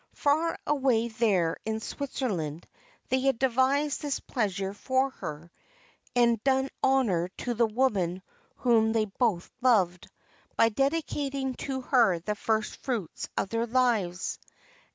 Far away there in Switzerland they had devised this pleasure for her, and done honor to the woman whom they both loved, by dedicating to her the first fruits of their lives.